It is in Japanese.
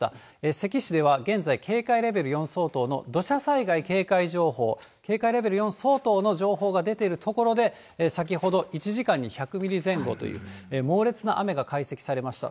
関市では現在、警戒レベル４相当の土砂災害警戒情報、警戒レベル４相当の情報が出ている所で、先ほど１時間に１００ミリ前後という、猛烈な雨が解析されました。